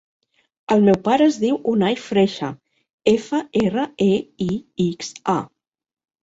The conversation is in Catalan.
El meu pare es diu Unai Freixa: efa, erra, e, i, ics, a.